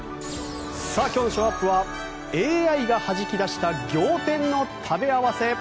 今日のショーアップはＡＩがはじき出した仰天の食べ合わせ。